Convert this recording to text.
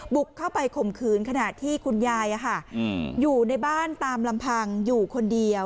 บุกเข้าไปข่มขืนขณะที่คุณยายอยู่ในบ้านตามลำพังอยู่คนเดียว